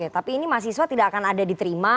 tapi ini mahasiswa tidak akan ada diterima